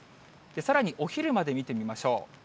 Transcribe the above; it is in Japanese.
さらにお昼まで見てみましょう。